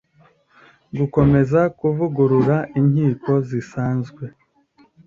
gukomeza kuvugurura inkiko zisanzwe